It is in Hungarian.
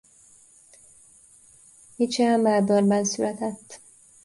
Mitchell Melbourne-ben született.